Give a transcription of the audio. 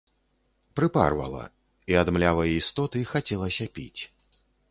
Прыпарвала, і ад млявай істоты хацелася піць.